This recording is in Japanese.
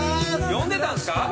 呼んでたんすか？